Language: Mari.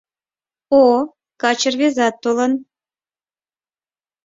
— О, каче рвезат толын.